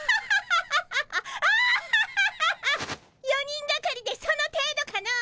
４人がかりでその程度かの。